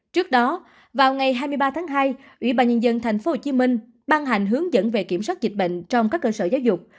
trước đó vào ngày hai mươi ba tháng hai ủy ban nhân dân tp hcm ban hành hướng dẫn về kiểm soát dịch bệnh trong các cơ sở giáo dục